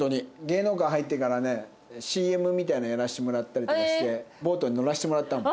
芸能界入ってからねＣＭみたいなのやらせてもらったりとかしてボートに乗らせてもらったの。